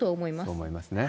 そう思いますね。